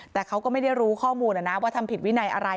แต่เขาก็ไม่ได้รู้ข้อมูลนะว่าทำผิดวินัยอะไร